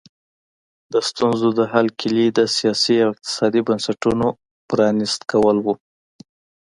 د ستونزې د حل کیلي د سیاسي او اقتصادي بنسټونو پرانیست کول وو.